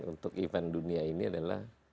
untuk event dunia ini adalah